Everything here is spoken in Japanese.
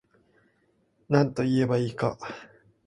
なんといえば良いか